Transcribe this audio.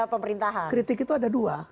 kritik itu ada dua